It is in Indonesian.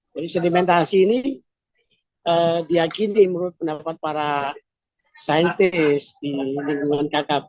jadi sedimentasi ini diakini menurut pendapat para saintis di lingkungan kkp